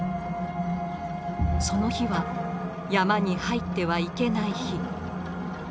その日は山に入ってはいけない日。